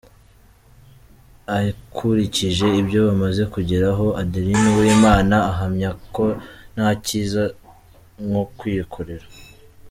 Akurikije ibyo bamaze kugeraho, Adeline Uwimana ahamya ko nta cyiza nko kwikorera.